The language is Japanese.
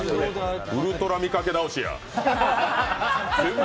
ウルトラ見かけ倒しや。